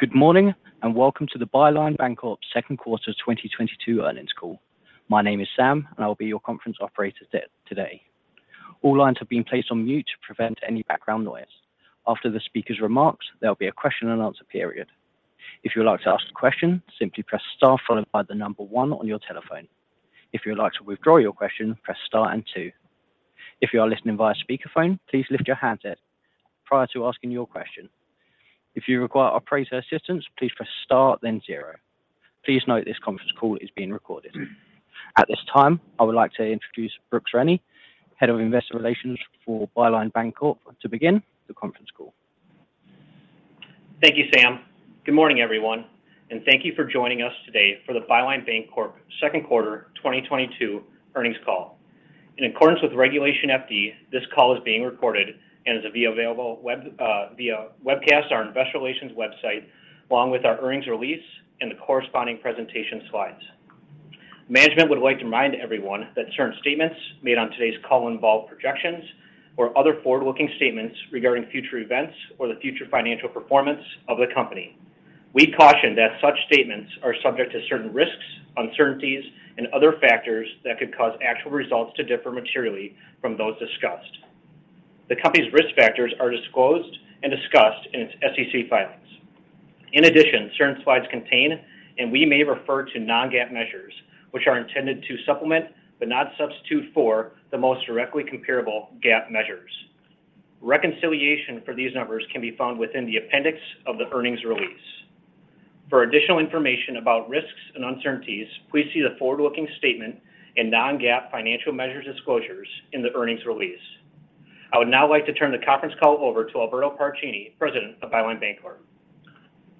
Good morning, and welcome to the Byline Bancorp second quarter 2022 earnings call. My name is Sam, and I will be your conference operator today. All lines have been placed on mute to prevent any background noise. After the speaker's remarks, there'll be a question and answer period. If you would like to ask a question, simply press star followed by the number one on your telephone. If you would like to withdraw your question, press star and two. If you are listening via speaker phone, please lift your handset prior to asking your question. If you require operator assistance, please press star then zero. Please note this conference call is being recorded. At this time, I would like to introduce Brooks Rennie, Head of Investor Relations for Byline Bancorp to begin the conference call. Thank you, Sam. Good morning, everyone, and thank you for joining us today for the Byline Bancorp second quarter 2022 earnings call. In accordance with Regulation FD, this call is being recorded and is available via webcast on our investor relations website, along with our earnings release and the corresponding presentation slides. Management would like to remind everyone that certain statements made on today's call involve projections or other forward-looking statements regarding future events or the future financial performance of the company. We caution that such statements are subject to certain risks, uncertainties and other factors that could cause actual results to differ materially from those discussed. The company's risk factors are disclosed and discussed in its SEC filings. In addition, certain slides contain, and we may refer to non-GAAP measures, which are intended to supplement, but not substitute for the most directly comparable GAAP measures. Reconciliation for these numbers can be found within the appendix of the earnings release. For additional information about risks and uncertainties, please see the forward-looking statement and non-GAAP financial measures disclosures in the earnings release. I would now like to turn the conference call over to Alberto Paracchini, President of Byline Bancorp.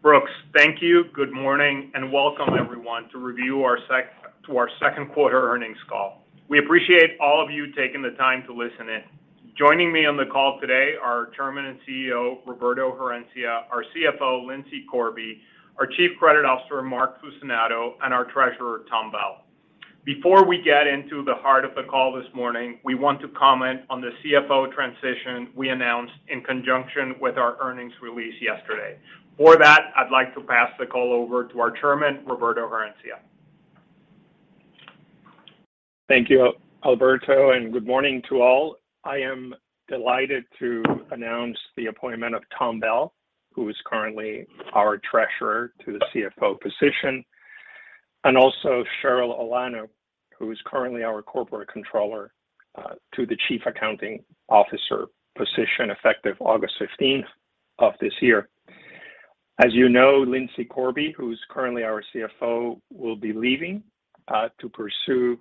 Brooks, thank you. Good morning and welcome everyone to our second quarter earnings call. We appreciate all of you taking the time to listen in. Joining me on the call today are our Chairman and CEO, Roberto Herencia, our CFO, Lindsay Corby, our Chief Credit Officer, Mark Fucinato, and our Treasurer, Tom Bell. Before we get into the heart of the call this morning, we want to comment on the CFO transition we announced in conjunction with our earnings release yesterday. For that, I'd like to pass the call over to our chairman, Roberto Herencia. Thank you, Alberto Paracchini, and good morning to all. I am delighted to announce the appointment of Tom Bell, who is currently our treasurer, to the CFO position. Sherylle Olano, who is currently our corporate controller, to the chief accounting officer position, effective August fifteenth of this year. As you know, Lindsay Corby, who's currently our CFO, will be leaving to pursue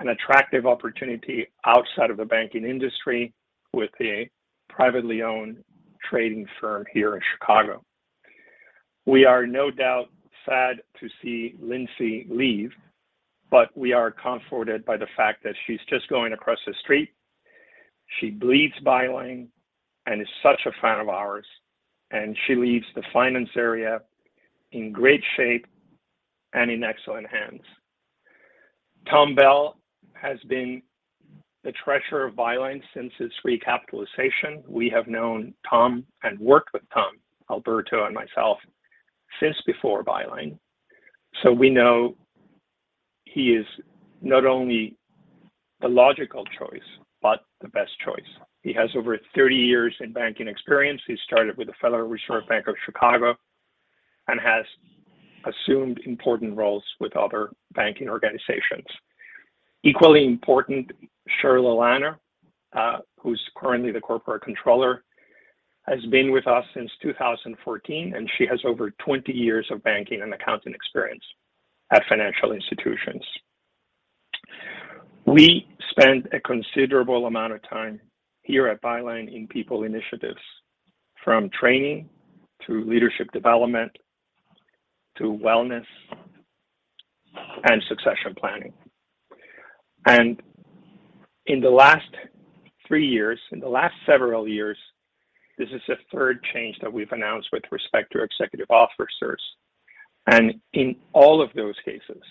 an attractive opportunity outside of the banking industry with a privately owned trading firm here in Chicago. We are no doubt sad to see Lindsay leave, but we are comforted by the fact that she's just going across the street. She bleeds Byline and is such a fan of ours, and she leaves the finance area in great shape and in excellent hands. Tom Bell has been the treasurer of Byline since its recapitalization. We have known Tom and worked with Tom, Alberto Paracchini and myself, since before Byline. We know he is not only the logical choice, but the best choice. He has over 30 years in banking experience. He started with the Federal Reserve Bank of Chicago and has assumed important roles with other banking organizations. Equally important, Sherylle Olano, who's currently the corporate controller, has been with us since 2014, and she has over 20 years of banking and accounting experience at financial institutions. We spend a considerable amount of time here at Byline in people initiatives from training to leadership development to wellness and succession planning. In the last three years, in the last several years, this is the third change that we've announced with respect to executive officers. In all of those cases,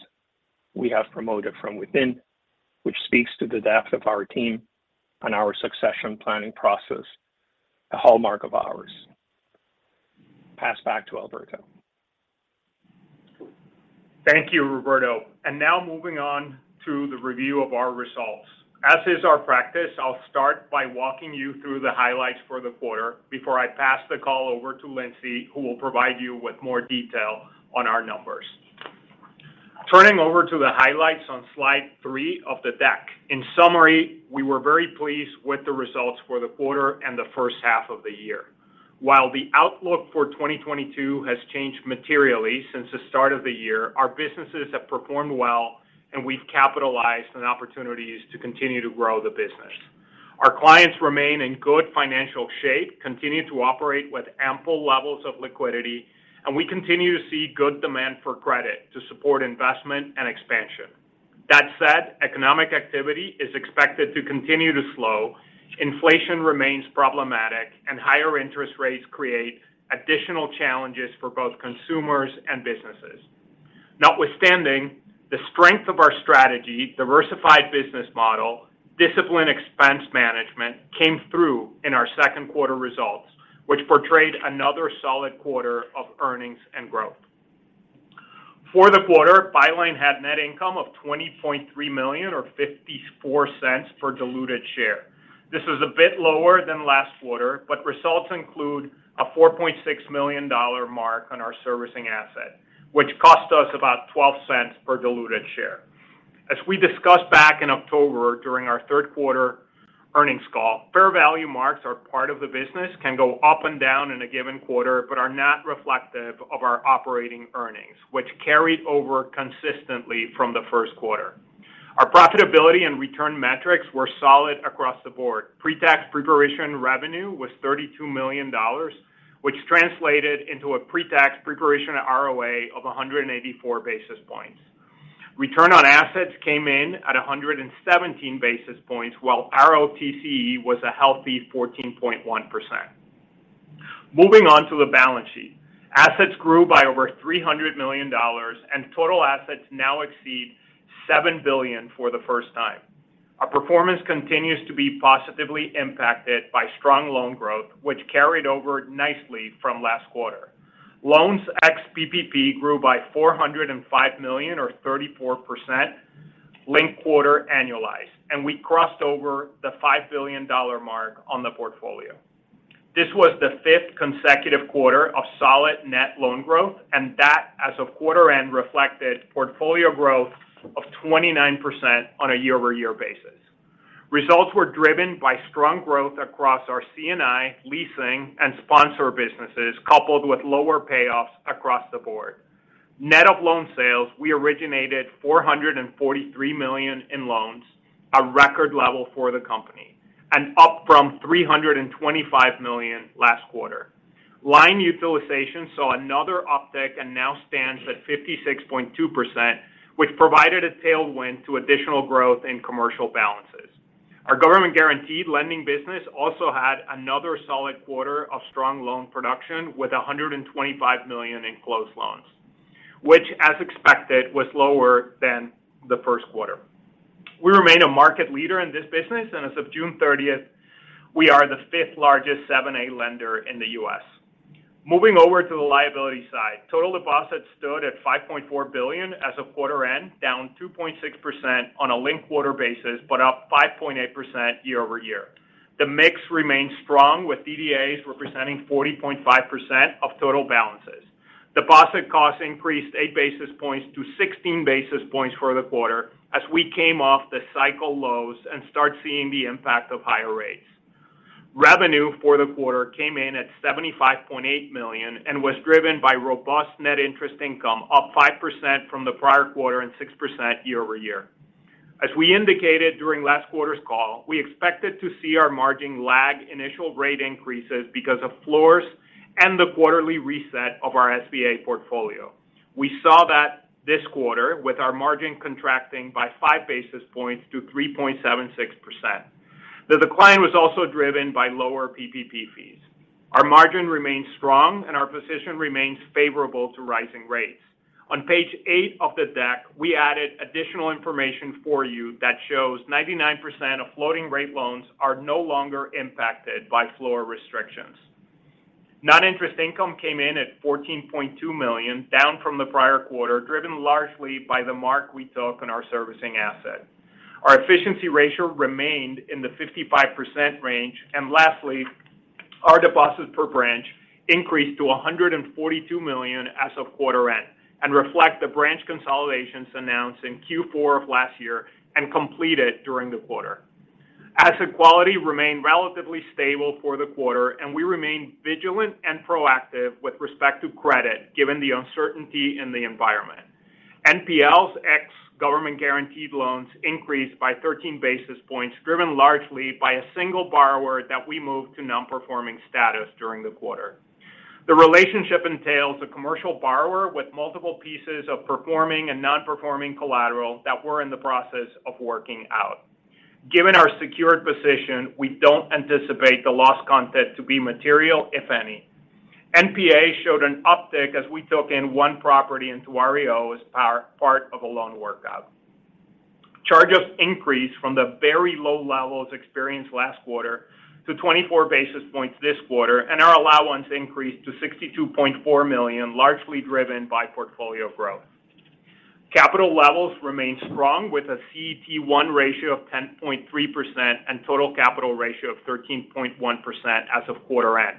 we have promoted from within, which speaks to the depth of our team and our succession planning process, a hallmark of ours. Pass back to Alberto. Thank you, Roberto. Now moving on to the review of our results. As is our practice, I'll start by walking you through the highlights for the quarter before I pass the call over to Lindsey, who will provide you with more detail on our numbers. Turning over to the highlights on slide three of the deck. In summary, we were very pleased with the results for the quarter and the first half of the year. While the outlook for 2022 has changed materially since the start of the year, our businesses have performed well and we've capitalized on opportunities to continue to grow the business. Our clients remain in good financial shape, continue to operate with ample levels of liquidity, and we continue to see good demand for credit to support investment and expansion. That said, economic activity is expected to continue to slow, inflation remains problematic and higher interest rates create additional challenges for both consumers and businesses. Notwithstanding the strength of our strategy, diversified business model, disciplined expense management came through in our second quarter results, which portrayed another solid quarter of earnings and growth. For the quarter, Byline had net income of $20.3 million or $0.54 per diluted share. This is a bit lower than last quarter, but results include a $4.6 million mark on our servicing asset, which cost us about $0.12 per diluted share. As we discussed back in October during our third quarter earnings call, fair value marks are part of the business, can go up and down in a given quarter, but are not reflective of our operating earnings, which carried over consistently from the first quarter. Our profitability and return metrics were solid across the board. Pre-tax pre-provision revenue was $32 million, which translated into a pre-tax pre-provision ROA of 184 basis points. Return on assets came in at 117 basis points, while ROTCE was a healthy 14.1%. Moving on to the balance sheet. Assets grew by over $300 million and total assets now exceed $7 billion for the first time. Our performance continues to be positively impacted by strong loan growth, which carried over nicely from last quarter. Loans ex-PPP grew by $405 million or 34% linked quarter annualized, and we crossed over the $5 billion mark on the portfolio. This was the fifth consecutive quarter of solid net loan growth, and that as of quarter end reflected portfolio growth of 29% on a year-over-year basis. Results were driven by strong growth across our C&I, leasing, and sponsor businesses, coupled with lower payoffs across the board. Net of loan sales, we originated $443 million in loans, a record level for the company, and up from $325 million last quarter. Line utilization saw another uptick and now stands at 56.2%, which provided a tailwind to additional growth in commercial balances. Our government-guaranteed lending business also had another solid quarter of strong loan production with $125 million in closed loans, which as expected, was lower than the first quarter. We remain a market leader in this business, and as of June 30th, we are the fifth-largest 7(a) lender in the U.S. Moving over to the liability side, total deposits stood at $5.4 billion as of quarter end, down 2.6% on a linked quarter basis, but up 5.8% year over year. The mix remains strong with DDAs representing 40.5% of total balances. Deposit costs increased eight basis points to 16 basis points for the quarter as we came off the cycle lows and start seeing the impact of higher rates. Revenue for the quarter came in at $75.8 million and was driven by robust net interest income, up 5% from the prior quarter and 6% year over year. As we indicated during last quarter's call, we expected to see our margin lag initial rate increases because of floors and the quarterly reset of our SBA portfolio. We saw that this quarter with our margin contracting by five basis points to 3.76%. The decline was also driven by lower PPP fees. Our margin remains strong and our position remains favorable to rising rates. On page eight of the deck, we added additional information for you that shows 99% of floating rate loans are no longer impacted by floor restrictions. Non-interest income came in at $14.2 million, down from the prior quarter, driven largely by the mark we took on our servicing asset. Our efficiency ratio remained in the 55% range. Lastly, our deposits per branch increased to $142 million as of quarter end and reflect the branch consolidations announced in Q4 of last year and completed during the quarter. Asset quality remained relatively stable for the quarter, and we remain vigilant and proactive with respect to credit, given the uncertainty in the environment. NPLs ex government guaranteed loans increased by 13 basis points, driven largely by a single borrower that we moved to non-performing status during the quarter. The relationship entails a commercial borrower with multiple pieces of performing and non-performing collateral that we're in the process of working out. Given our secured position, we don't anticipate the loss content to be material, if any. NPA showed an uptick as we took in one property into REO as part of a loan workout. Charges increased from the very low levels experienced last quarter to 24 basis points this quarter, and our allowance increased to $62.4 million, largely driven by portfolio growth. Capital levels remain strong with a CET1 ratio of 10.3% and total capital ratio of 13.1% as of quarter end.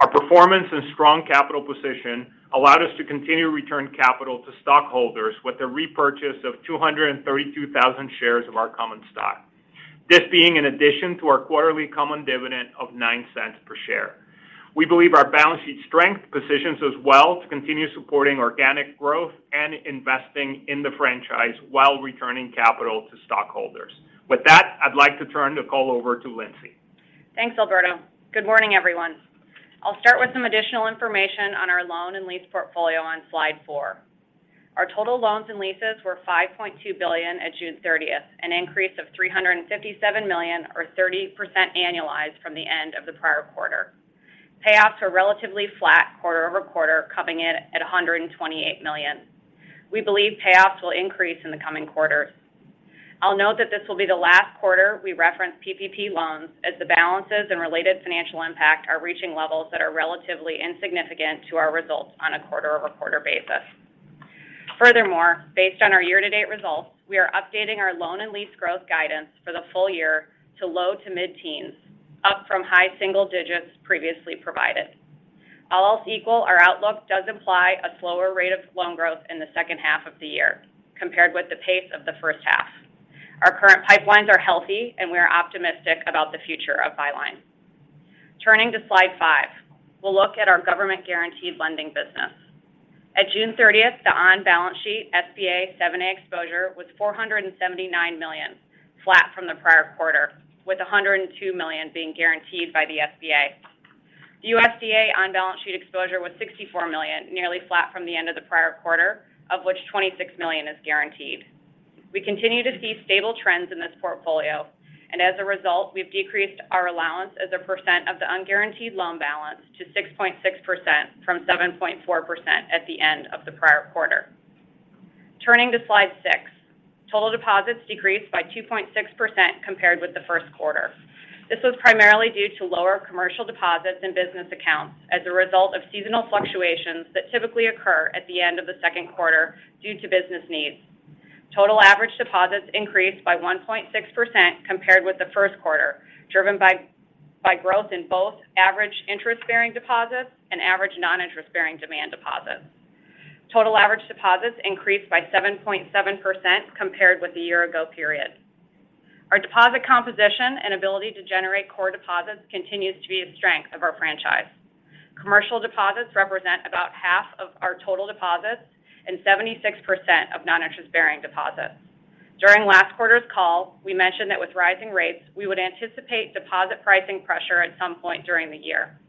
Our performance and strong capital position allowed us to continue to return capital to stockholders with the repurchase of 232,000 shares of our common stock. This being in addition to our quarterly common dividend of $0.09 per share. We believe our balance sheet strength positions us well to continue supporting organic growth and investing in the franchise while returning capital to stockholders. With that, I'd like to turn the call over to Lindsay. Thanks, Alberto. Good morning, everyone. I'll start with some additional information on our loan and lease portfolio on slide four. Our total loans and leases were $5.2 billion at June 30th, an increase of $357 million or 30% annualized from the end of the prior quarter. Payoffs were relatively flat quarter-over-quarter, coming in at $128 million. We believe payoffs will increase in the coming quarters. I'll note that this will be the last quarter we reference PPP loans as the balances and related financial impact are reaching levels that are relatively insignificant to our results on a quarter-over-quarter basis. Furthermore, based on our year-to-date results, we are updating our loan and lease growth guidance for the full year to low- to mid-teens%, up from high single digits% previously provided. All else equal, our outlook does imply a slower rate of loan growth in the second half of the year compared with the pace of the first half. Our current pipelines are healthy, and we are optimistic about the future of Byline. Turning to slide five, we'll look at our government-guaranteed lending business. At June 30, the on-balance sheet SBA 7(a) exposure was $479 million, flat from the prior quarter, with $102 million being guaranteed by the SBA. The USDA on-balance sheet exposure was $64 million, nearly flat from the end of the prior quarter, of which $26 million is guaranteed. We continue to see stable trends in this portfolio, and as a result, we've decreased our allowance as a percent of the unguaranteed loan balance to 6.6% from 7.4% at the end of the prior quarter. Turning to slide six, total deposits decreased by 2.6% compared with the first quarter. This was primarily due to lower commercial deposits and business accounts as a result of seasonal fluctuations that typically occur at the end of the second quarter due to business needs. Total average deposits increased by 1.6% compared with the first quarter, driven by growth in both average interest-bearing deposits and average non-interest-bearing demand deposits. Total average deposits increased by 7.7% compared with the year ago period. Our deposit composition and ability to generate core deposits continues to be a strength of our franchise. Commercial deposits represent about half of our total deposits and 76% of non-interest-bearing deposits. During last quarter's call, we mentioned that with rising rates, we would anticipate deposit pricing pressure at some point during the year.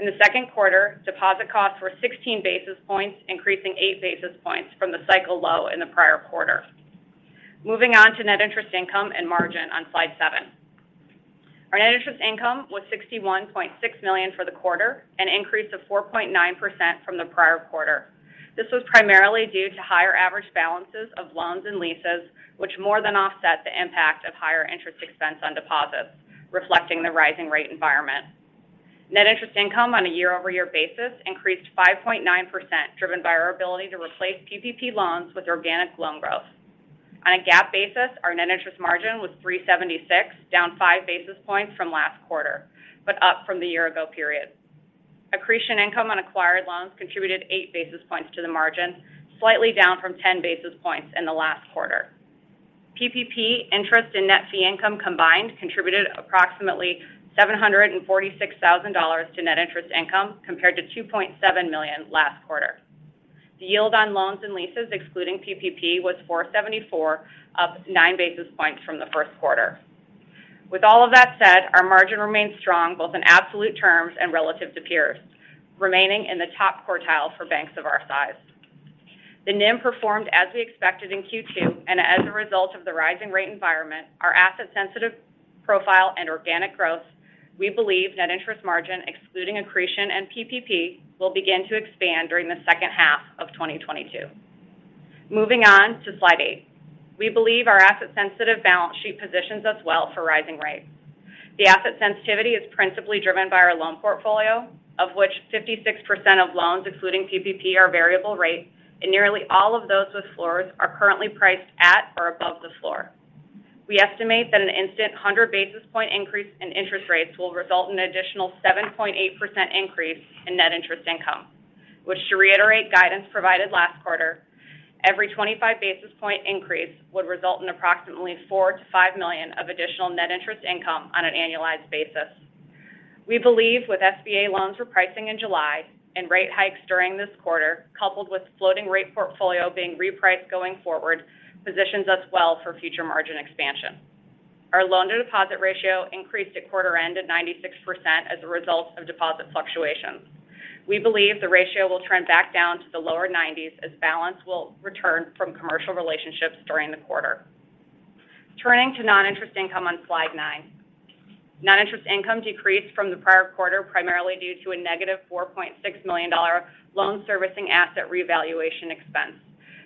In the second quarter, deposit costs were 16 basis points, increasing eight basis points from the cycle low in the prior quarter. Moving on to net interest income and margin on slide seven. Our net interest income was $61.6 million for the quarter, an increase of 4.9% from the prior quarter. This was primarily due to higher average balances of loans and leases, which more than offset the impact of higher interest expense on deposits, reflecting the rising rate environment. Net interest income on a year-over-year basis increased 5.9%, driven by our ability to replace PPP loans with organic loan growth. On a GAAP basis, our net interest margin was 3.76, down five basis points from last quarter, but up from the year ago period. Accretion income on acquired loans contributed 8 basis points to the margin, slightly down from 10 basis points in the last quarter. PPP interest and net fee income combined contributed approximately $746,000 to net interest income compared to $2.7 million last quarter. The yield on loans and leases excluding PPP was 4.74%, up nine basis points from the first quarter. With all of that said, our margin remains strong both in absolute terms and relative to peers, remaining in the top quartile for banks of our size. The NIM performed as we expected in Q2, and as a result of the rising rate environment, our asset-sensitive profile and organic growth, we believe net interest margin excluding accretion and PPP will begin to expand during the second half of 2022. Moving on to slide eight. We believe our asset-sensitive balance sheet positions us well for rising rates. The asset sensitivity is principally driven by our loan portfolio, of which 56% of loans including PPP are variable rate, and nearly all of those with floors are currently priced at or above the floor. We estimate that an instant 100 basis point increase in interest rates will result in an additional 7.8% increase in net interest income, which to reiterate guidance provided last quarter, every 25 basis point increase would result in approximately $4 million-$5 million of additional net interest income on an annualized basis. We believe with SBA loans repricing in July and rate hikes during this quarter, coupled with floating rate portfolio being repriced going forward, positions us well for future margin expansion. Our loan-to-deposit ratio increased at quarter end at 96% as a result of deposit fluctuations. We believe the ratio will trend back down to the lower 90s as balance will return from commercial relationships during the quarter. Turning to non-interest income on slide nine. Non-interest income decreased from the prior quarter primarily due to a negative $4.6 million loan servicing asset revaluation expense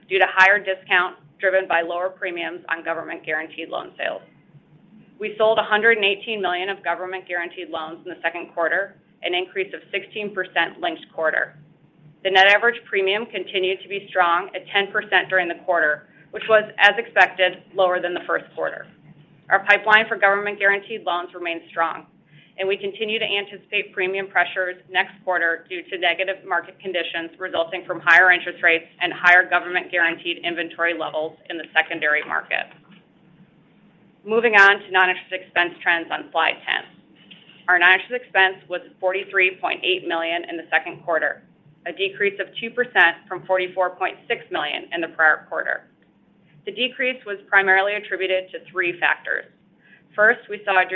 due to higher discount driven by lower premiums on government guaranteed loan sales. We sold $118 million of government guaranteed loans in the second quarter, an increase of 16% linked quarter. The net average premium continued to be strong at 10% during the quarter, which was, as expected, lower than the first quarter. Our pipeline for government guaranteed loans remains strong, and we continue to anticipate premium pressures next quarter due to negative market conditions resulting from higher interest rates and higher government guaranteed inventory levels in the secondary market. Moving on to non-interest expense trends on slide 10. Our non-interest expense was $43.8 million in the second quarter, a decrease of 2% from $44.6 million in the prior quarter. The decrease was primarily attributed to three factors. First, we saw a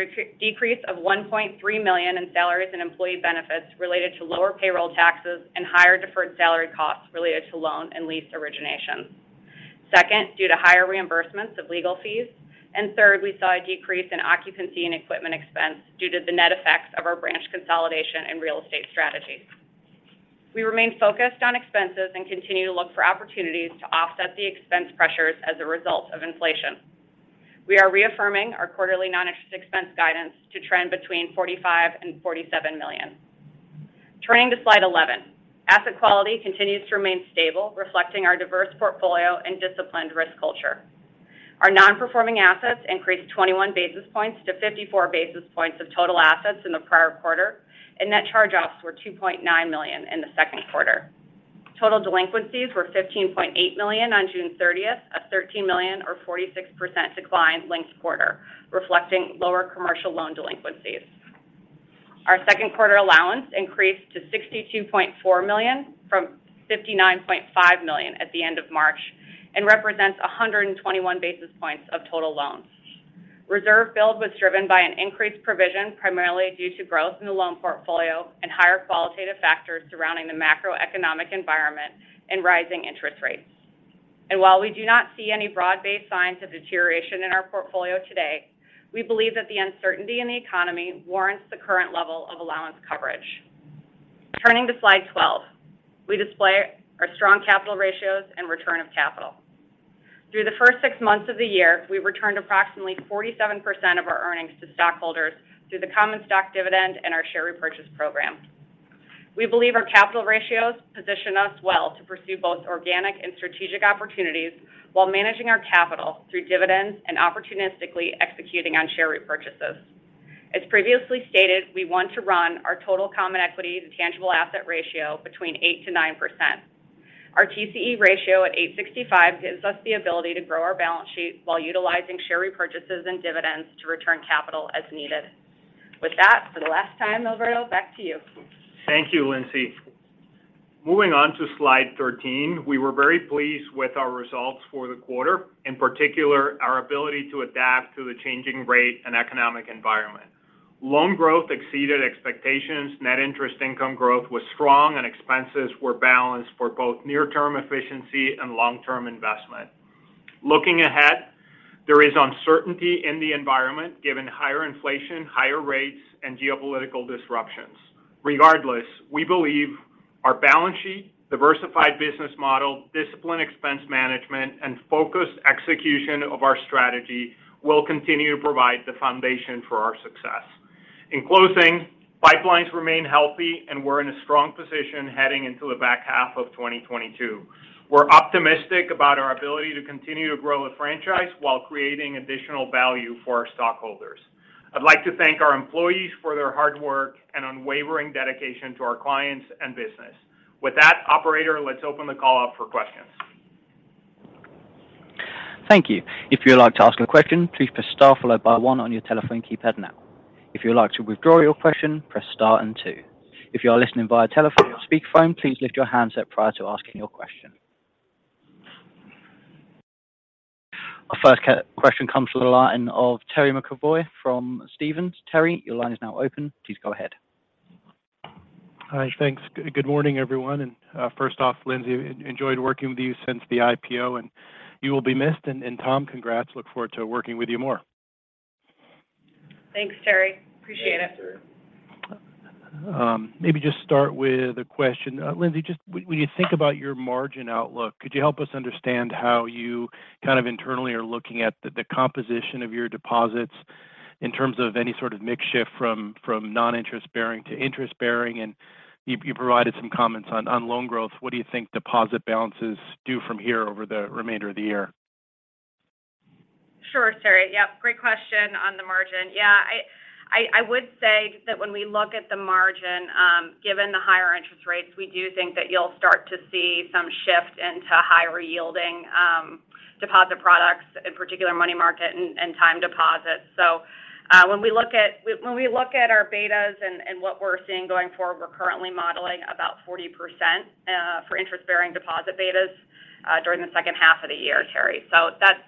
decrease of $1.3 million in salaries and employee benefits related to lower payroll taxes and higher deferred salary costs related to loan and lease origination. Second, due to higher reimbursements of legal fees. Third, we saw a decrease in occupancy and equipment expense due to the net effects of our branch consolidation and real estate strategy. We remain focused on expenses and continue to look for opportunities to offset the expense pressures as a result of inflation. We are reaffirming our quarterly non-interest expense guidance to trend between $45 million and $47 million. Turning to slide 11. Asset quality continues to remain stable, reflecting our diverse portfolio and disciplined risk culture. Our non-performing assets increased 21 basis points to 54 basis points of total assets in the prior quarter, and net charge-offs were $2.9 million in the second quarter. Total delinquencies were $15.8 million on June thirtieth, a $13 million or 46% decline linked quarter, reflecting lower commercial loan delinquencies. Our second quarter allowance increased to $62.4 million from $59.5 million at the end of March and represents 121 basis points of total loans. Reserve build was driven by an increased provision, primarily due to growth in the loan portfolio and higher qualitative factors surrounding the macroeconomic environment and rising interest rates. While we do not see any broad-based signs of deterioration in our portfolio today, we believe that the uncertainty in the economy warrants the current level of allowance coverage. Turning to slide 12. We display our strong capital ratios and return of capital. Through the first six months of the year, we returned approximately 47% of our earnings to stockholders through the common stock dividend and our share repurchase program. We believe our capital ratios position us well to pursue both organic and strategic opportunities while managing our capital through dividends and opportunistically executing on share repurchases. As previously stated, we want to run our total common equity to tangible asset ratio between 8%-9%. Our TCE ratio at 8.65 gives us the ability to grow our balance sheet while utilizing share repurchases and dividends to return capital as needed. With that, for the last time, Alberto, back to you. Thank you, Lindsay. Moving on to slide 13. We were very pleased with our results for the quarter. In particular, our ability to adapt to the changing rate and economic environment. Loan growth exceeded expectations. Net interest income growth was strong and expenses were balanced for both near-term efficiency and long-term investment. Looking ahead, there is uncertainty in the environment given higher inflation, higher rates, and geopolitical disruptions. Regardless, we believe our balance sheet, diversified business model, disciplined expense management, and focused execution of our strategy will continue to provide the foundation for our success. In closing, pipelines remain healthy and we're in a strong position heading into the back half of 2022. We're optimistic about our ability to continue to grow the franchise while creating additional value for our stockholders. I'd like to thank our employees for their hard work and unwavering dedication to our clients and business. With that, operator, let's open the call up for questions. Thank you. If you would like to ask a question, please press star followed by one on your telephone keypad now. If you would like to withdraw your question, press star and two. If you are listening via telephone or speakerphone, please lift your handset prior to asking your question. Our first question comes from the line of Terry McEvoy from Stephens. Terry, your line is now open. Please go ahead. Hi. Thanks. Good morning, everyone. First off, Lindsay, enjoyed working with you since the IPO, and you will be missed. Tom, congrats. Look forward to working with you more. Thanks, Terry. Appreciate it. Thanks, Terry. Maybe just start with a question. Lindsay, just when you think about your margin outlook, could you help us understand how you kind of internally are looking at the composition of your deposits in terms of any sort of mix shift from non-interest-bearing to interest-bearing? You provided some comments on loan growth. What do you think deposit balance is due from here over the remainder of the year? Sure, Terry. Yep. Great question on the margin. Yeah. I would say that when we look at the margin, given the higher interest rates, we do think that you'll start to see some shift into higher yielding deposit products, in particular money market and time deposits. When we look at our betas and what we're seeing going forward, we're currently modeling about 40% for interest-bearing deposit betas during the second half of the year, Terry. That's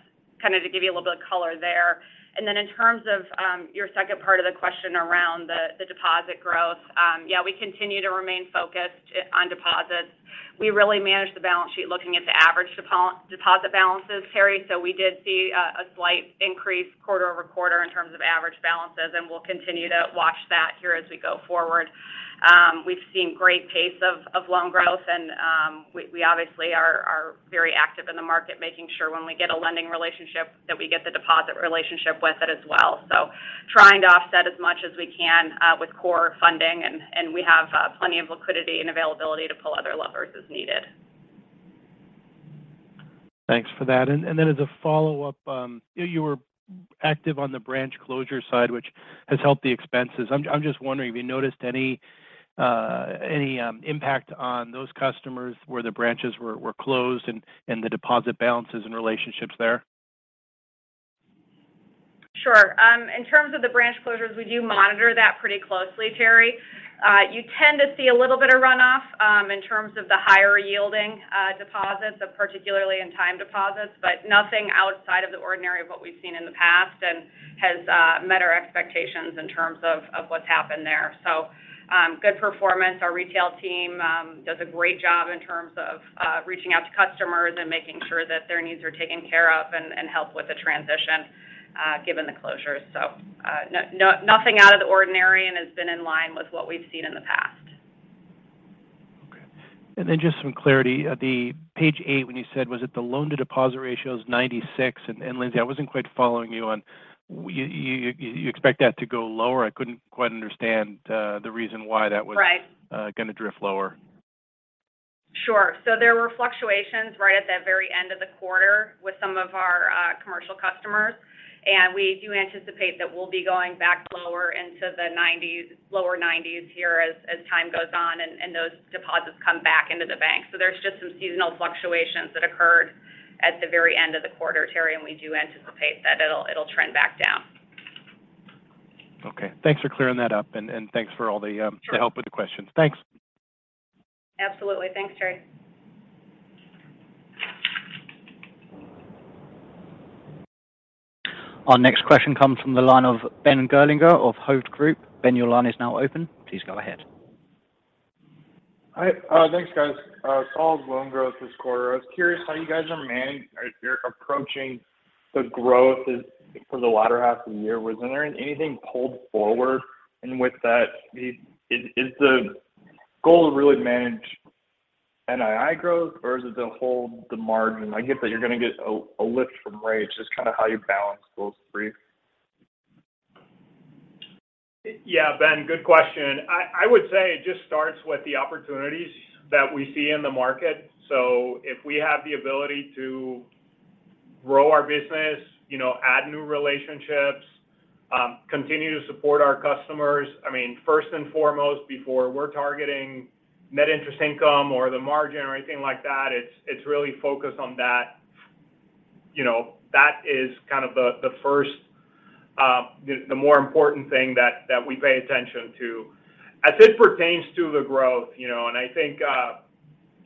kind of to give you a little bit of color there. Then in terms of your second part of the question around the deposit growth, yeah, we continue to remain focused on deposits. We really manage the balance sheet looking at the average deposit balances, Terry. We did see a slight increase quarter-over-quarter in terms of average balances, and we'll continue to watch that here as we go forward. We've seen great pace of loan growth and we obviously are very active in the market making sure when we get a lending relationship that we get the deposit relationship with it as well. Trying to offset as much as we can with core funding and we have plenty of liquidity and availability to pull other levers as needed. Thanks for that. Then as a follow-up, you were active on the branch closure side, which has helped the expenses. I'm just wondering if you noticed any impact on those customers where the branches were closed and the deposit balances and relationships there? Sure. In terms of the branch closures, we do monitor that pretty closely, Terry. You tend to see a little bit of runoff in terms of the higher yielding deposits, particularly in time deposits, but nothing outside of the ordinary of what we've seen in the past and has met our expectations in terms of what's happened there. Good performance. Our retail team does a great job in terms of reaching out to customers and making sure that their needs are taken care of and help with the transition given the closures. Nothing out of the ordinary and has been in line with what we've seen in the past. Okay. Just some clarity. Page eight, when you said, was it the loan-to-deposit ratio is 96? Lindsay, I wasn't quite following you on you expect that to go lower. I couldn't quite understand the reason why that was. Right Gonna drift lower. Sure. There were fluctuations right at that very end of the quarter with some of our commercial customers. We do anticipate that we'll be going back lower into the nineties, lower nineties here as time goes on and those deposits come back into the bank. There's just some seasonal fluctuations that occurred at the very end of the quarter, Terry, and we do anticipate that it'll trend back down. Okay. Thanks for clearing that up and thanks for all the. Sure help with the questions. Thanks. Absolutely. Thanks, Terry. Our next question comes from the line of Ben Gerlinger of Hovde Group. Ben, your line is now open. Please go ahead. Hi. Thanks, guys. Solid loan growth this quarter. I was curious how you guys are approaching the growth for the latter half of the year. Was there anything pulled forward? With that, is the goal to really manage NII growth or is it to hold the margin? I get that you're gonna get a lift from rates, just kinda how you balance those three. Yeah. Ben, good question. I would say it just starts with the opportunities that we see in the market. If we have the ability to grow our business, you know, add new relationships, continue to support our customers. I mean, first and foremost before we're targeting net interest income or the margin or anything like that, it's really focused on that. You know, that is kind of the first, the more important thing that we pay attention to. As it pertains to the growth, you know, and I think,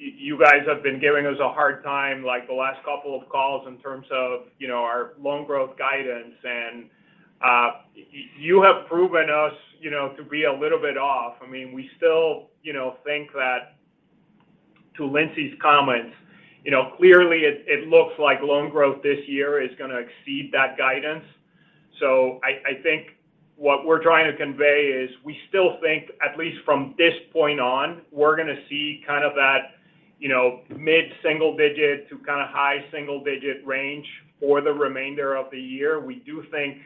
you guys have been giving us a hard time like the last couple of calls in terms of, you know, our loan growth guidance. You have proven us, you know, to be a little bit off. I mean, we still, you know, think that too, Lindsay's comments, you know, clearly it looks like loan growth this year is gonna exceed that guidance. I think what we're trying to convey is we still think at least from this point on, we're gonna see kind of that, you know, mid-single digit to kinda high single digit range for the remainder of the year. We do think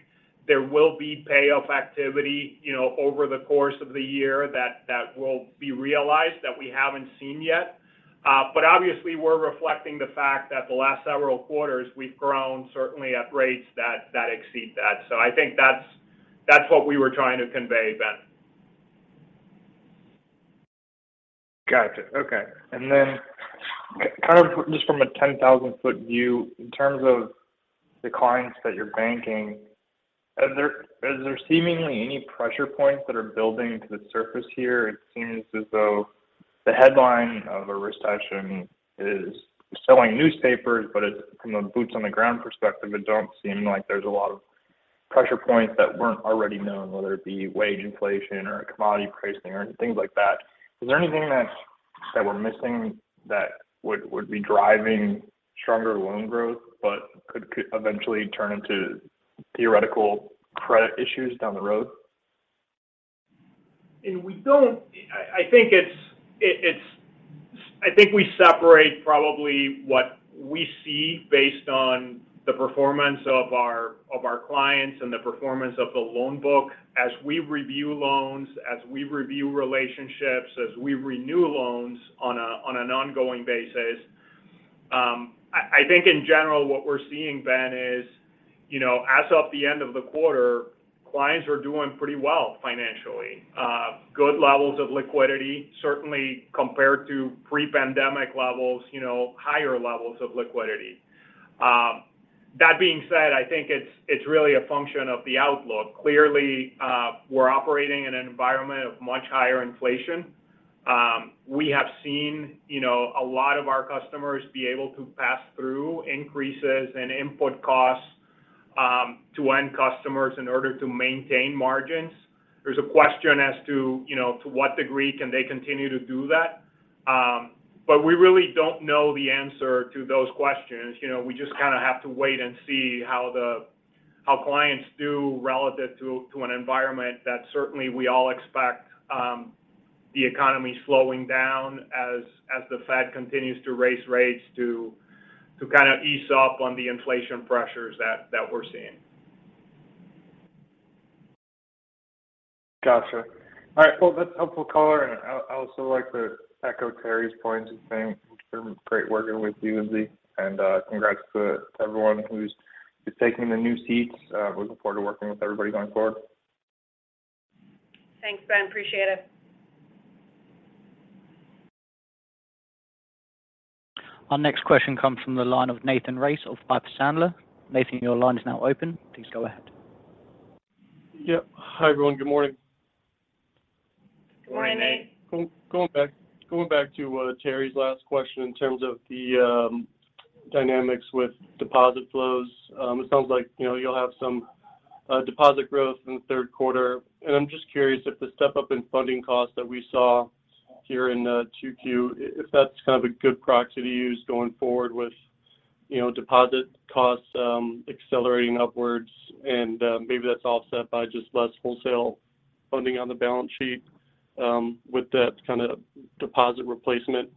there will be payoff activity, you know, over the course of the year that will be realized that we haven't seen yet. Obviously we're reflecting the fact that the last several quarters we've grown certainly at rates that exceed that. I think that's what we were trying to convey, Ben. Gotcha. Okay. Then kind of just from a 10,000-foot view in terms of the clients that you're banking, are there, is there seemingly any pressure points that are building to the surface here? It seems as though the headline of a recession is selling newspapers, but it's from the boots on the ground perspective, it don't seem like there's a lot of pressure points that weren't already known, whether it be wage inflation or commodity pricing or things like that. Is there anything that we're missing that would be driving stronger loan growth but could eventually turn into theoretical credit issues down the road? I think we separate probably what we see based on the performance of our clients and the performance of the loan book as we review loans, as we review relationships, as we renew loans on an ongoing basis. I think in general what we're seeing, Ben, is, you know, as of the end of the quarter, clients are doing pretty well financially. Good levels of liquidity, certainly compared to pre-pandemic levels, you know, higher levels of liquidity. That being said, I think it's really a function of the outlook. Clearly, we're operating in an environment of much higher inflation. We have seen, you know, a lot of our customers be able to pass through increases in input costs to end customers in order to maintain margins. There's a question as to, you know, to what degree can they continue to do that. We really don't know the answer to those questions. You know, we just kinda have to wait and see how clients do relative to an environment that certainly we all expect, the economy slowing down as the Fed continues to raise rates to kind of ease up on the inflation pressures that we're seeing. Gotcha. All right. Well, that's helpful color. I also like to echo Terry's points and saying it's been great working with you, Lindsay. Congrats to everyone who's taking the new seats. Looking forward to working with everybody going forward. Thanks, Ben. Appreciate it. Our next question comes from the line of Nathan Race of Piper Sandler. Nathan, your line is now open. Please go ahead. Yep. Hi, everyone. Good morning. Good morning, Nate. Morning. Going back to Terry's last question in terms of the Dynamics with deposit flows. It sounds like, you know, you'll have some deposit growth in the third quarter. I'm just curious if the step-up in funding costs that we saw here in 2Q, if that's kind of a good proxy to use going forward with, you know, deposit costs accelerating upwards and maybe that's offset by just less wholesale funding on the balance sheet with that kind of deposit replacement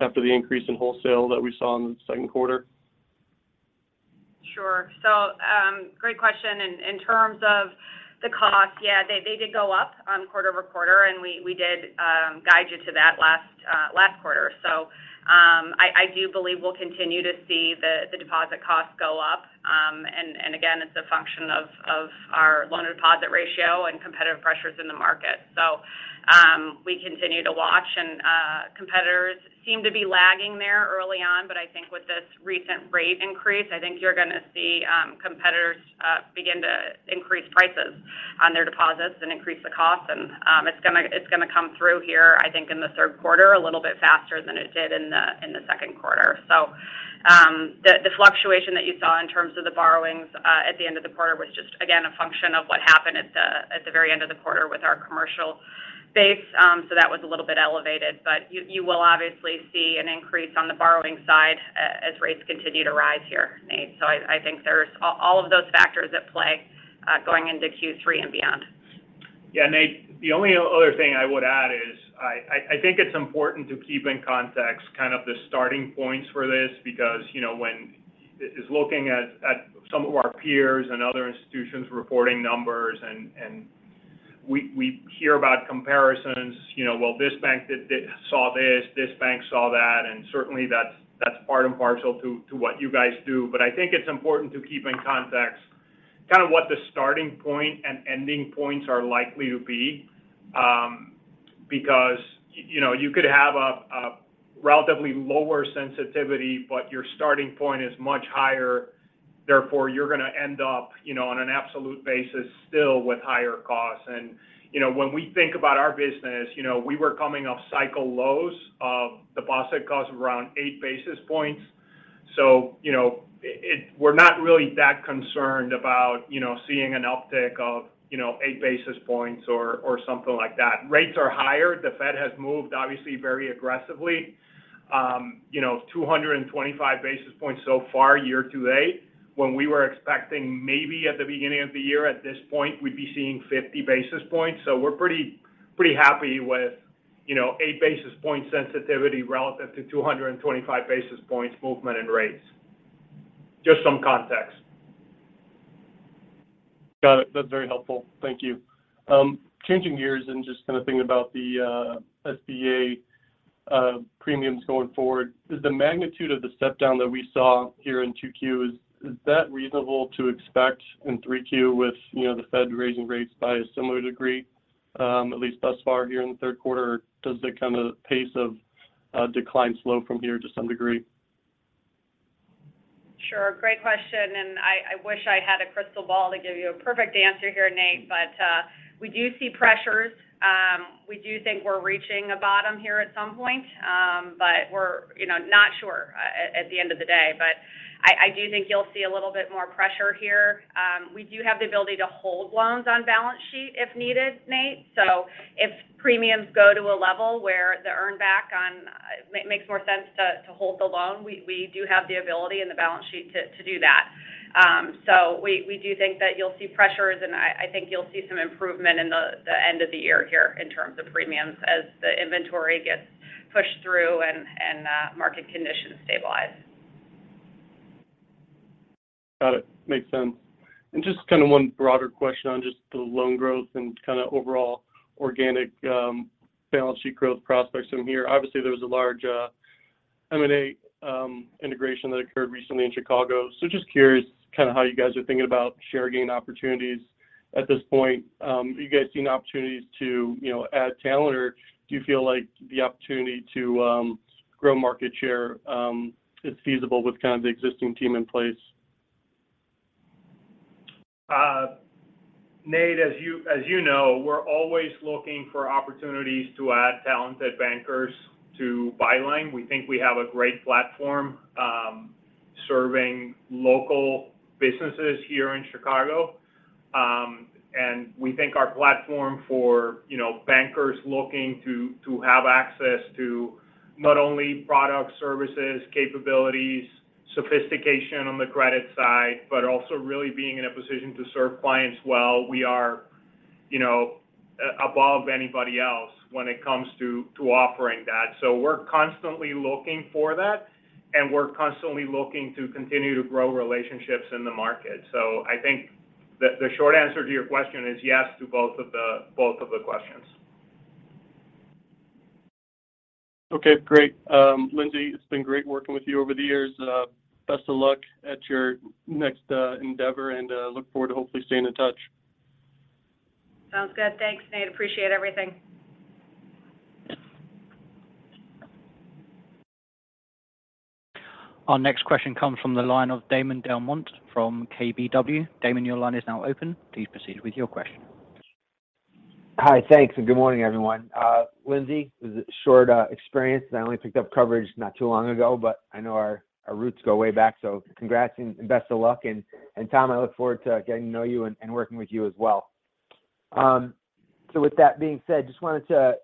after the increase in wholesale that we saw in the second quarter. Sure. Great question. In terms of the cost, yeah, they did go up quarter-over-quarter, and we did guide you to that last quarter. I do believe we'll continue to see the deposit costs go up. Again, it's a function of our loan-to-deposit ratio and competitive pressures in the market. We continue to watch and competitors seem to be lagging there early on, but I think with this recent rate increase, I think you're gonna see competitors begin to increase prices on their deposits and increase the cost. It's gonna come through here, I think in the third quarter a little bit faster than it did in the second quarter. The fluctuation that you saw in terms of the borrowings at the end of the quarter was just, again, a function of what happened at the very end of the quarter with our commercial base. That was a little bit elevated. You will obviously see an increase on the borrowing side as rates continue to rise here, Nate. I think there's all of those factors at play going into Q3 and beyond. Yeah, Nate, the only other thing I would add is I think it's important to keep in context kind of the starting points for this because, you know, when it is looking at some of our peers and other institutions reporting numbers and we hear about comparisons. You know, well, this bank saw this bank saw that. Certainly that's part and parcel to what you guys do. I think it's important to keep in context kind of what the starting point and ending points are likely to be. Because, you know, you could have a relatively lower sensitivity, but your starting point is much higher, therefore you're gonna end up, you know, on an absolute basis still with higher costs. You know, when we think about our business, you know, we were coming off cycle lows of deposit costs of around eight basis points. You know, we're not really that concerned about, you know, seeing an uptick of, you know, eight basis points or something like that. Rates are higher. The Fed has moved obviously very aggressively, you know, 225 basis points so far year to date, when we were expecting maybe at the beginning of the year at this point we'd be seeing 50 basis points. We're pretty happy with, you know, eight basis points sensitivity relative to 225 basis points movement in rates. Just some context. Got it. That's very helpful. Thank you. Changing gears and just kind of thinking about the SBA premiums going forward. Is the magnitude of the step down that we saw here in 2Q reasonable to expect in 3Q with you know the Fed raising rates by a similar degree at least thus far here in the third quarter? Or does the kind of pace of decline slow from here to some degree? Sure. Great question, I wish I had a crystal ball to give you a perfect answer here, Nathan. We do see pressures. We do think we're reaching a bottom here at some point. We're, you know, not sure at the end of the day. I do think you'll see a little bit more pressure here. We do have the ability to hold loans on balance sheet if needed, Nathan. If premiums go to a level where the earn back on makes more sense to hold the loan, we do have the ability in the balance sheet to do that. We do think that you'll see pressures, and I think you'll see some improvement in the end of the year here in terms of premiums as the inventory gets pushed through and market conditions stabilize. Got it. Makes sense. Just kind of one broader question on just the loan growth and kind of overall organic, balance sheet growth prospects in here. Obviously, there was a large, M&A, integration that occurred recently in Chicago. Just curious kind of how you guys are thinking about share gain opportunities at this point. Are you guys seeing opportunities to, you know, add talent, or do you feel like the opportunity to, grow market share, is feasible with kind of the existing team in place? Nate, as you know, we're always looking for opportunities to add talented bankers to Byline. We think we have a great platform, serving local businesses here in Chicago. We think our platform for, you know, bankers looking to have access to not only product services, capabilities, sophistication on the credit side, but also really being in a position to serve clients well, we are, you know, above anybody else when it comes to offering that. We're constantly looking for that, and we're constantly looking to continue to grow relationships in the market. I think the short answer to your question is yes to both of the questions. Okay, great. Lindsay, it's been great working with you over the years. Best of luck at your next endeavor, and look forward to hopefully staying in touch. Sounds good. Thanks, Nate. Appreciate everything. Our next question comes from the line of Damon DelMonte from KBW. Damon, your line is now open. Please proceed with your question. Hi. Thanks, and good morning, everyone. Lindsay, this is a short experience, and I only picked up coverage not too long ago, but I know our roots go way back, so congrats and best of luck. Tom, I look forward to getting to know you and working with you as well. With that being said, just wanted to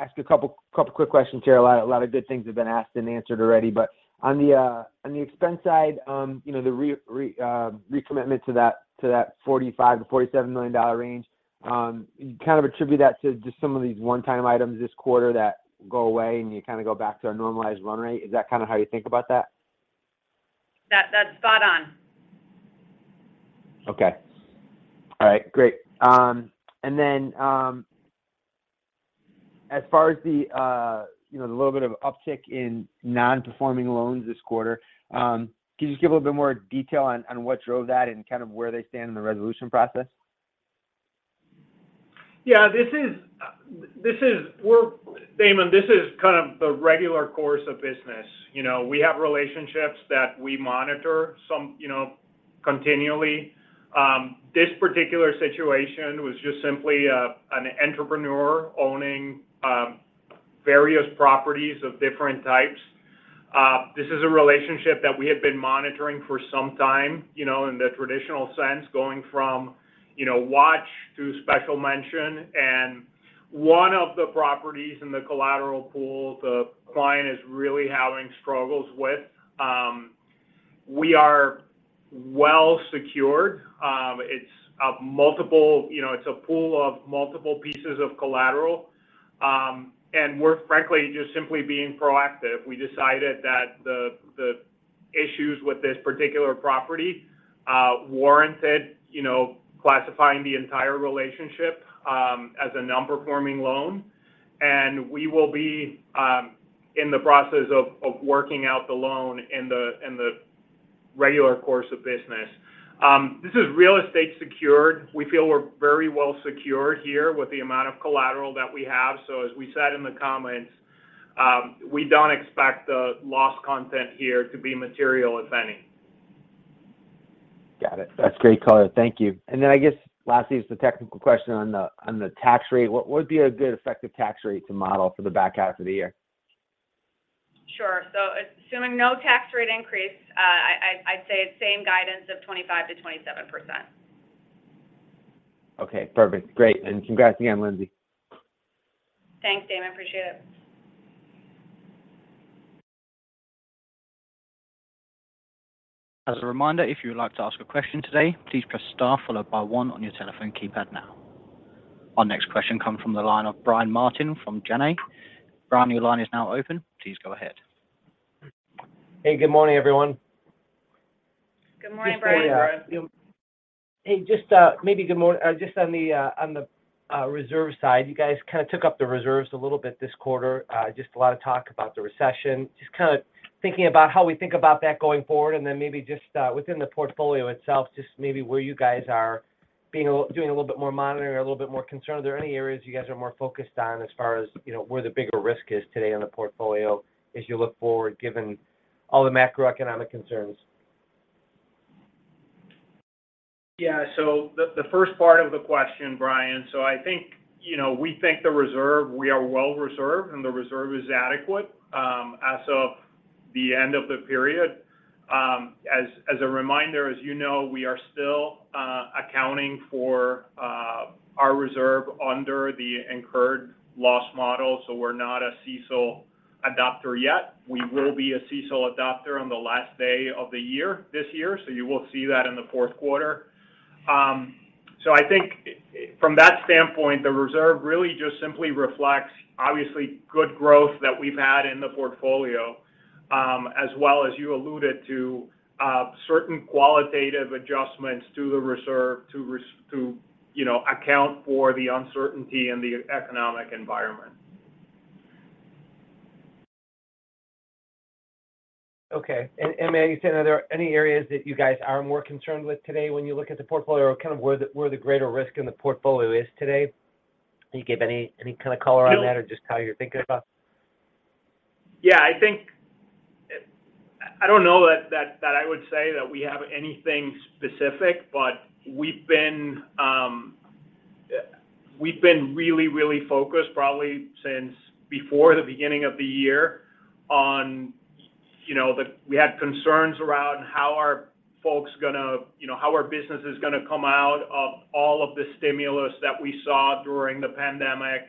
ask a couple quick questions here. A lot of good things have been asked and answered already. On the expense side, you know, the recommitment to that $45 million-$47 million range, you kind of attribute that to just some of these one-time items this quarter that go away, and you kinda go back to a normalized run rate. Is that kinda how you think about that? That's spot on. Okay. All right, great. As far as the, you know, the little bit of uptick in non-performing loans this quarter, can you just give a little bit more detail on what drove that and kind of where they stand in the resolution process? This is Damon, this is kind of the regular course of business. You know, we have relationships that we monitor some, you know, continually. This particular situation was just simply an entrepreneur owning various properties of different types. This is a relationship that we have been monitoring for some time, you know, in the traditional sense, going from, you know, watch to special mention. One of the properties in the collateral pool the client is really having struggles with, we are well secured. It's of multiple, you know, it's a pool of multiple pieces of collateral. We're frankly just simply being proactive. We decided that the issues with this particular property warranted, you know, classifying the entire relationship as a non-performing loan. We will be in the process of working out the loan in the regular course of business. This is real estate secured. We feel we're very well secured here with the amount of collateral that we have. As we said in the comments, we don't expect the loss content here to be material, if any. Got it. That's great color. Thank you. I guess lastly is the technical question on the tax rate. What would be a good effective tax rate to model for the back half of the year? Assuming no tax rate increase, I'd say it's same guidance of 25%-27%. Okay, perfect. Great. Congrats again, Lindsay. Thanks, Damon. Appreciate it. As a reminder, if you would like to ask a question today, please press star followed by one on your telephone keypad now. Our next question comes from the line of Brian Martin from Janney. Brian, your line is now open. Please go ahead. Hey, good morning, everyone. Good morning, Brian. Good morning, Brian. Hey, just on the reserve side, you guys kind of took up the reserves a little bit this quarter. Just a lot of talk about the recession. Just kind of thinking about how we think about that going forward and then maybe just within the portfolio itself, just maybe where you guys are doing a little bit more monitoring or a little bit more concerned. Are there any areas you guys are more focused on as far as, you know, where the bigger risk is today in the portfolio as you look forward given all the macroeconomic concerns? Yeah. The first part of the question, Brian, so I think, you know, we think the reserve, we are well reserved, and the reserve is adequate as of the end of the period. As a reminder, as you know, we are still accounting for our reserve under the incurred loss model, so we're not a CECL adopter yet. We will be a CECL adopter on the last day of the year this year, so you will see that in the fourth quarter. I think from that standpoint, the reserve really just simply reflects obviously good growth that we've had in the portfolio, as well as you alluded to, certain qualitative adjustments to the reserve to, you know, account for the uncertainty in the economic environment. Okay. May I ask you, are there any areas that you guys are more concerned with today when you look at the portfolio or kind of where the greater risk in the portfolio is today? Can you give any kind of color on that or just how you're thinking about it? Yeah. I think I don't know that I would say that we have anything specific. We've been really focused probably since before the beginning of the year on, you know, we had concerns around how are folks gonna, you know, how are businesses gonna come out of all of the stimulus that we saw during the pandemic.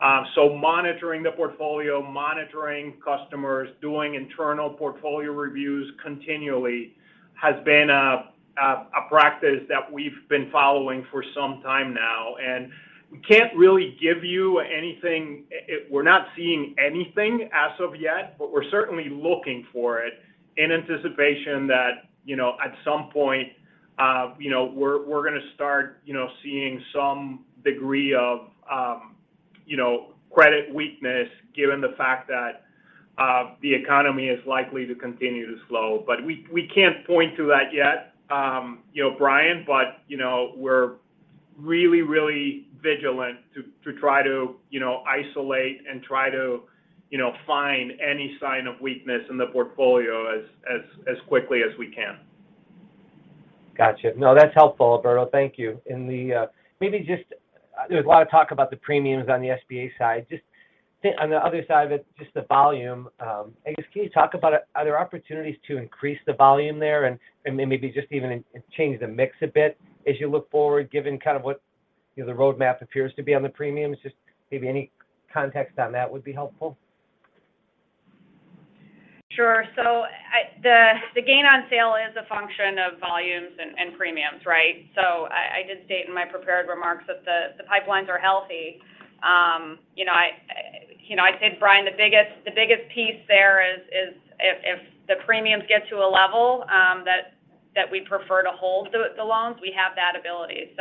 Monitoring the portfolio, monitoring customers, doing internal portfolio reviews continually has been a practice that we've been following for some time now. We can't really give you anything. We're not seeing anything as of yet, but we're certainly looking for it in anticipation that, you know, at some point, you know, we're gonna start, you know, seeing some degree of, you know, credit weakness given the fact that, the economy is likely to continue to slow. We can't point to that yet, you know, Brian. You know, we're really vigilant to try to, you know, isolate and try to, you know, find any sign of weakness in the portfolio as quickly as we can. Gotcha. No, that's helpful, Alberto. Thank you. In the, maybe just, there's a lot of talk about the premiums on the SBA side. Just on the other side of it, just the volume. I guess can you talk about are there opportunities to increase the volume there and maybe just even change the mix a bit as you look forward given kind of what, you know, the roadmap appears to be on the premiums? Just maybe any context on that would be helpful. Sure. The gain on sale is a function of volumes and premiums, right? I did state in my prepared remarks that the pipelines are healthy. You know, I'd say, Brian, the biggest piece there is if the premiums get to a level that we prefer to hold the loans, we have that ability.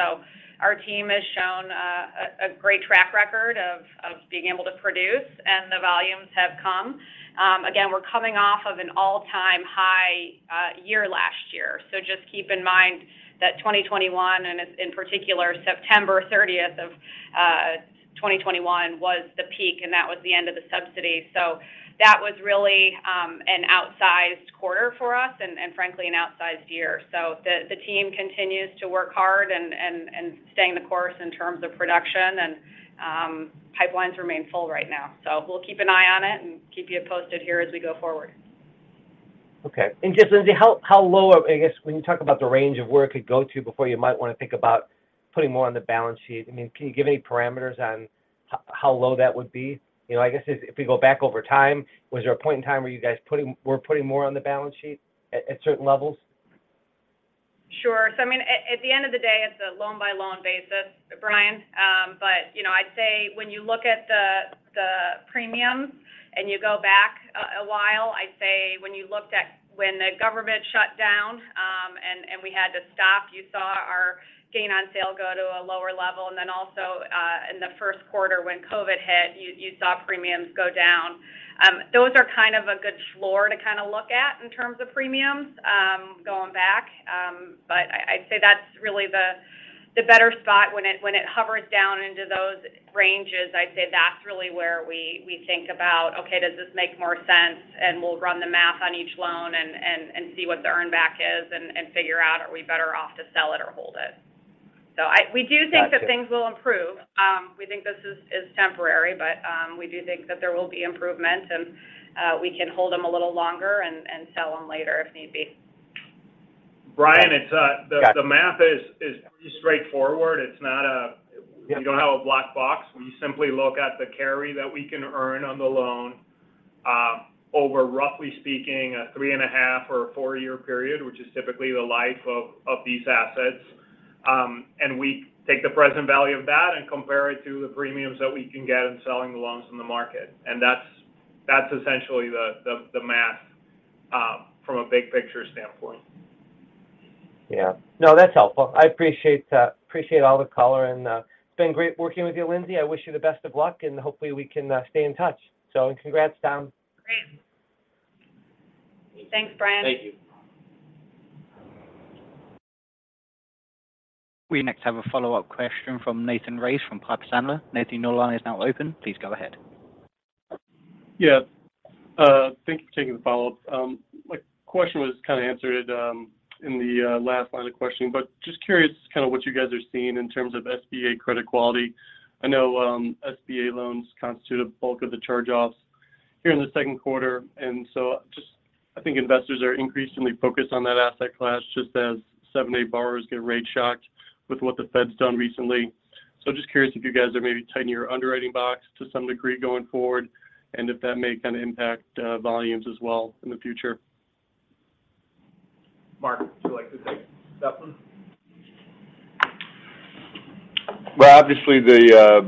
Our team has shown a great track record of being able to produce, and the volumes have come. Again, we're coming off of an all-time high year last year. Just keep in mind that 2021, and in particular, September thirtieth of 2021 was the peak, and that was the end of the subsidy. That was really an outsized quarter for us and frankly an outsized year. The team continues to work hard and staying the course in terms of production and pipelines remain full right now. We'll keep an eye on it and keep you posted here as we go forward. Okay. Just Lindsay, how low of, I guess when you talk about the range of where it could go to before you might wanna think about putting more on the balance sheet. I mean, can you give any parameters on how low that would be? You know, I guess if we go back over time, was there a point in time where you guys were putting more on the balance sheet at certain levels? Sure. I mean, at the end of the day, it's a loan-by-loan basis, Brian. You know, I'd say when you look at the premium and you go back a while, I'd say when you looked at when the government shut down, and we had to stop, you saw our gain on sale go to a lower level. Also, in the first quarter when COVID hit, you saw premiums go down. Those are kind of a good floor to kinda look at in terms of premiums, going back. I'd say that's really the better spot when it hovers down into those ranges, I'd say that's really where we think about, okay, does this make more sense? We'll run the math on each loan and see what the earn back is and figure out are we better off to sell it or hold it. We do think that things will improve. We think this is temporary, but we do think that there will be improvement, and we can hold them a little longer and sell them later if need be. Brian, it's Got it. The math is pretty straightforward. It's not a- Yeah. We don't have a black box. We simply look at the carry that we can earn on the loan over roughly speaking a 3.5- or four-year period, which is typically the life of these assets. We take the present value of that and compare it to the premiums that we can get in selling the loans in the market. That's essentially the math from a big picture standpoint. Yeah. No, that's helpful. I appreciate all the color and, it's been great working with you, Lindsay. I wish you the best of luck and hopefully we can stay in touch. Congrats, Tom. Great. Thanks, Brian. Thank you. We next have a follow-up question from Nathan Race from Piper Sandler. Nathan, your line is now open. Please go ahead. Yeah. Thank you for taking the follow-up. My question was kinda answered in the last line of questioning, but just curious kinda what you guys are seeing in terms of SBA credit quality. I know, SBA loans constitute a bulk of the charge-offs here in the second quarter, and so just I think investors are increasingly focused on that asset class, just as 7(a) borrowers get rate shocked with what the Fed's done recently. So just curious if you guys are maybe tightening your underwriting box to some degree going forward, and if that may kinda impact volumes as well in the future. Mark, would you like to take that one? Obviously the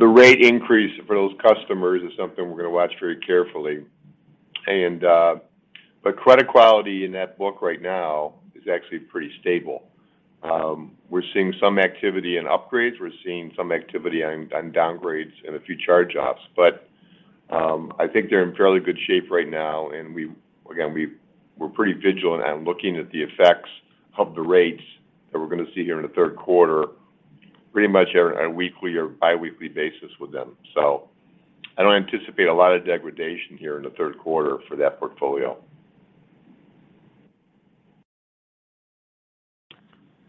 rate increase for those customers is something we're gonna watch very carefully. Credit quality in that book right now is actually pretty stable. We're seeing some activity in upgrades. We're seeing some activity on downgrades and a few charge-offs. I think they're in fairly good shape right now. We're pretty vigilant on looking at the effects of the rates that we're gonna see here in the third quarter, pretty much on a weekly or biweekly basis with them. I don't anticipate a lot of degradation here in the third quarter for that portfolio.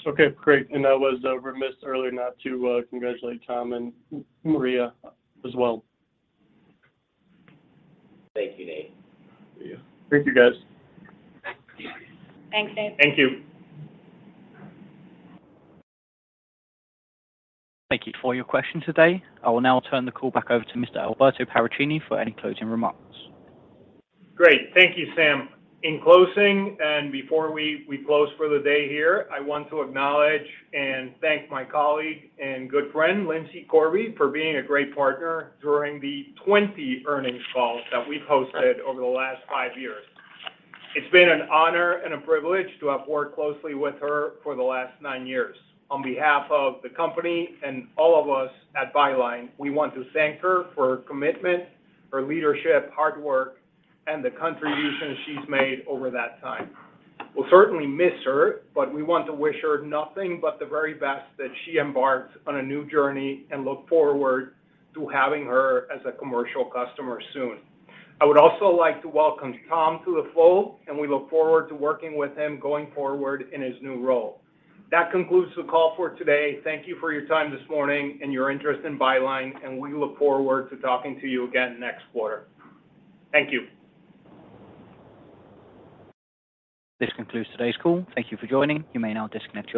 Okay, great. I was remiss earlier not to congratulate Tom and Maria as well. Thank you, Nathan. Thank you, guys. Thanks, Nathan. Thank you. Thank you for your question today. I will now turn the call back over to Mr. Alberto Paracchini for any closing remarks. Great. Thank you, Sam. In closing, before we close for the day here, I want to acknowledge and thank my colleague and good friend, Lindsay Corby, for being a great partner during the 20 earnings calls that we've hosted over the last five years. It's been an honor and a privilege to have worked closely with her for the last nine years. On behalf of the company and all of us at Byline, we want to thank her for her commitment, her leadership, hard work, and the contributions she's made over that time. We'll certainly miss her, but we want to wish her nothing but the very best as she embarks on a new journey and look forward to having her as a commercial customer soon. I would also like to welcome Tom to the fold, and we look forward to working with him going forward in his new role. That concludes the call for today. Thank you for your time this morning and your interest in Byline, and we look forward to talking to you again next quarter. Thank you. This concludes today's call. Thank you for joining. You may now disconnect your lines.